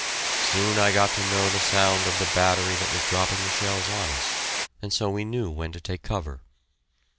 Soon I got to know the sound of the battery that was dropping the shells on us, and so knew when to take cover.